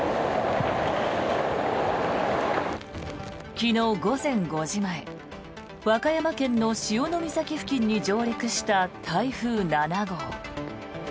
昨日午前５時前和歌山県の潮岬付近に上陸した台風７号。